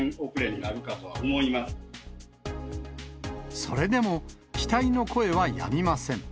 ２、それでも、期待の声はやみません。